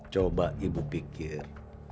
coba ibu pikir